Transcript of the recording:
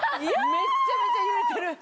めっちゃめちゃ揺れてる。